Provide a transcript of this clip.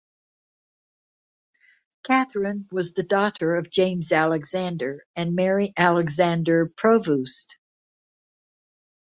Catherine was the daughter of James Alexander and Mary Alexander Provoost.